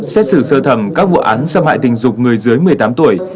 xét xử sơ thẩm các vụ án xâm hại tình dục người dưới một mươi tám tuổi